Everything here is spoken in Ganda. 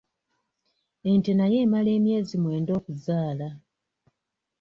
Ente nayo emala emyezi mwenda okuzaala.